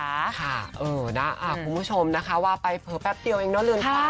ค่ะเออนะคุณผู้ชมนะคะว่าไปเผลอแป๊บเดียวเองเนอะเรือนค่ะ